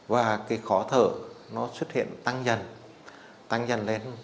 và cái khó thở nó xuất hiện tăng dần tăng dần lên